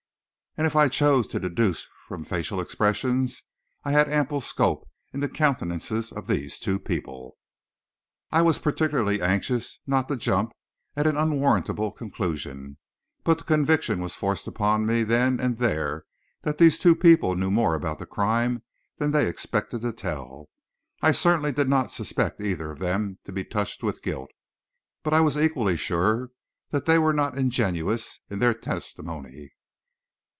And if I chose to deduce from facial expressions I had ample scope in the countenances of these two people. I was particularly anxious not to jump at an unwarrantable conclusion, but the conviction was forced upon me then and there that these two people knew more about the crime than they expected to tell. I certainly did not suspect either of them to be touched with guilt, but I was equally sure that they were not ingenuous in their testimony.